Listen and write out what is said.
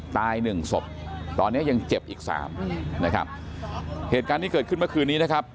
ตายหนึ่งศพตอนเนี้ยยังเจ็บอีกสามนะครับเหตุการณ์ที่เกิดขึ้นเมื่อคืนนี้นะครับ